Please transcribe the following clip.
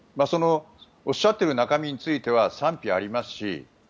そのおっしゃっている中身については賛否ありますし